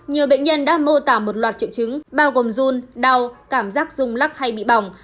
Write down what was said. nhiều bệnh nhân đã mô tả một loạt triệu chứng bao gồm run đau cảm giác rung lắc hay bị bỏng